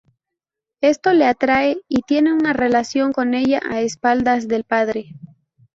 Esto le atrae y tiene una relación con ella a espaldas del padre.